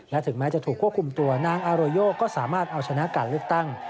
และถึงแม้จะถูกควบคุมตัวนางอาโรโยก็สามารถเอาชนะการเลือกตั้ง